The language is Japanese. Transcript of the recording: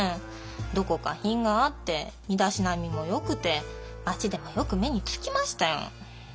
どこか品があって身だしなみもよくて町でもよく目につきましたよ。